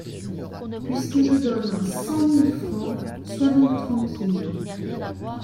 Puisque je donne cent mille francs, sois donc tranquille.